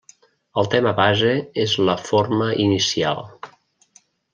El tema base és la forma inicial.